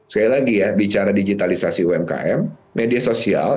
sekali lagi ya bicara digitalisasi umkm media sosial